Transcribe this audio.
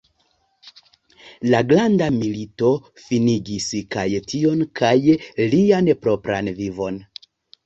La Granda Milito finigis kaj tion kaj lian propran vivon.